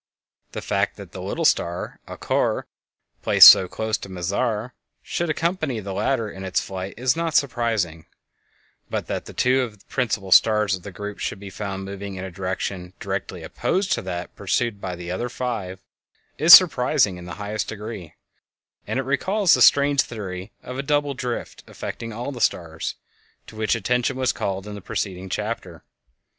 The fact that the little star Alcor placed so close to Mizar should accompany the latter in its flight is not surprising, but that two of the principal stars of the group should be found moving in a direction directly opposed to that pursued by the other five is surprising in the highest degree; and it recalls the strange theory of a double drift affecting all the stars, to which attention was called in the preceding chapter.